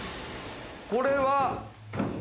これは。